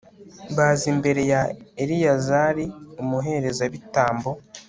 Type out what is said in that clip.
baza imbere ya eleyazari, umuherezabitambo